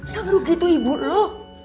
yang rugi itu ibu lo